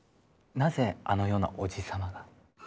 なぜあのようなおじさまが？